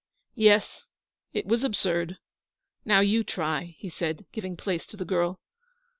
'Yes; it was absurd. Now you try,' he said, giving place to the girl.